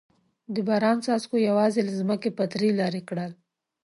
د باران څاڅکو یوازې له ځمکې پتري لرې کړل.